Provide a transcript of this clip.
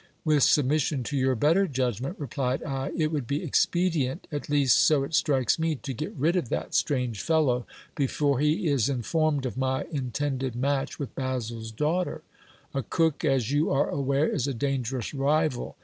With submis sion to your better judgment, replied I, it would be expedient, at least so it strikes me, to get rid of that strange fellow, before he is informed of my in tended match with Basil's daughter : a cook, as you are aware, is a dangerous rival.